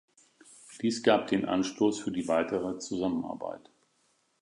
Dies gab den Anstoß für die weitere Zusammenarbeit.